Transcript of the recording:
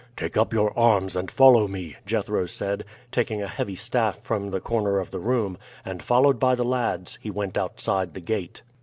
"Take up your arms and follow me," Jethro said, taking a heavy staff from the corner of the room, and, followed by the lads, he went outside the gate.